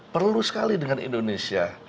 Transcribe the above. perlu sekali dengan indonesia